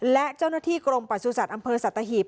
และเจ้าหน้าที่กรมปรัสสุสัตว์อำเภอสัตตาหีพ